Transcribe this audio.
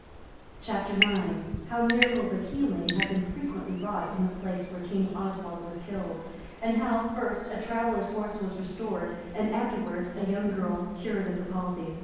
Chap. IX. How miracles of healing have been frequently wrought in the place where King Oswald was killed; and how, first, a traveller's horse was restored and afterwards a young girl cured of the palsy.